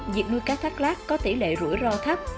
việc nuôi cá thắt lát có tỷ lệ rủi ro thấp